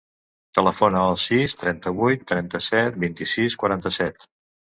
Telefona al sis, trenta-vuit, trenta-set, vint-i-sis, quaranta-set.